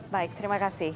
baik terima kasih